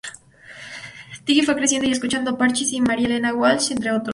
Twiggy fue creciendo y escuchando Parchís y María Elena Walsh, entre otros.